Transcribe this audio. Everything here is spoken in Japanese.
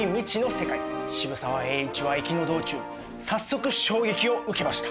渋沢栄一は行きの道中早速衝撃を受けました。